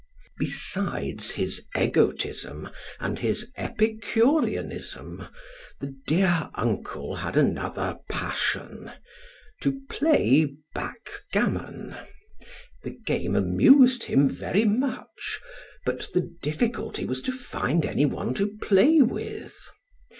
Besides his egotism and his epicureanism, the dear uncle had another passion to play backgammon. The game amused him very much; but the difficulty was to find any one to play with.